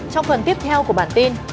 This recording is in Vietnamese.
trong phần tiếp theo của bản tin